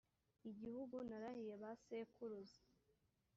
igihugu narahiye ba sekuruza